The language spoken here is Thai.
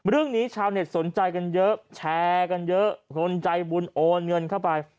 เรื่องนี้ชาวเน็ตสนใจกันเยอะแชร์กันเยอะคนใจบุญโอนเงินเข้าไป